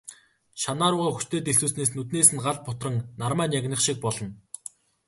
Шанаа руугаа хүчтэй дэлсүүлснээс нүднээс нь гал бутран, нармай нь янгинах шиг болно.